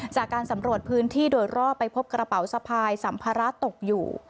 จากการสำรวจพื้นที่โดยรอบไปพบกระเป๋าสะพายสัมภาระตกอยู่